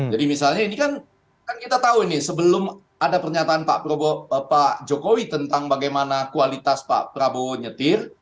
jadi misalnya ini kan kan kita tahu ini sebelum ada pernyataan pak jokowi tentang bagaimana kualitas pak prabowo nyetir